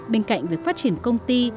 bên cạnh việc phát triển công ty